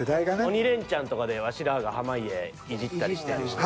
「鬼レンチャン」とかでワシらが濱家イジったりしてるしな。